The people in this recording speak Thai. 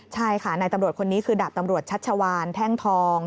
ใช่ค่ะนายตำรวจคนนี้คือดาบตำรวจชัชวานแท่งทอง